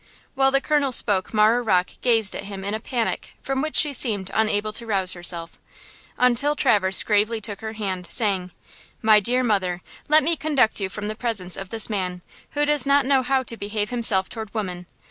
While the colonel spoke Marah Rocke gazed at him in a panic from which she seemed unable to rouse herself, until Traverse gravely took her hand, saying: "My dear mother, let me conduct you from the presence of this man, who does not know how to behave himself toward women.